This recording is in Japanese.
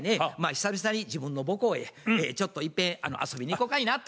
久々に自分の母校へちょっといっぺん遊びにいこかいなと。